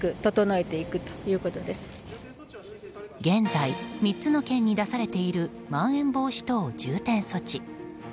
現在３つの県に出されているまん延防止等重点措置。